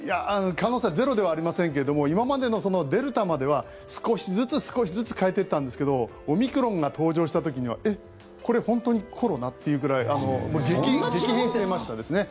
可能性はゼロではありませんけども今までのデルタまでは少しずつ少しずつ変えてったんですけどオミクロンが登場した時にはえっ、これ本当にコロナ？というぐらい激変していましたですね。